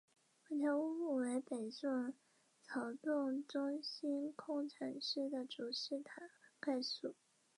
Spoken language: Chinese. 本条目为北宋曹洞宗心空禅师的祖师塔概述。